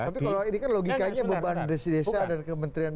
tapi kalau ini kan logikanya beban desi desa dan kementerian